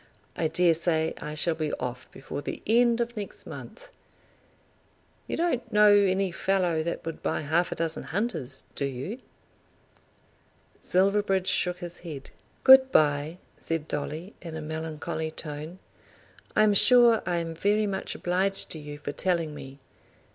I dare say I shall be off before the end of next month. You don't know any fellow that would buy half a dozen hunters; do you?" Silverbridge shook his head. "Good bye," said Dolly in a melancholy tone; "I am sure I am very much obliged to you for telling me.